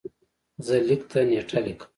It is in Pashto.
زه لیک ته نېټه لیکم.